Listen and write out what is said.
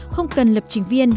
không cần lập trình viên